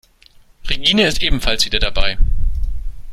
Regine ist ebenfalls wieder dabei.